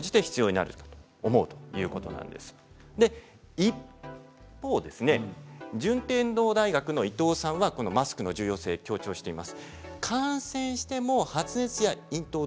一方、順天堂大学の伊藤さんはマスクの重要性を強調しています。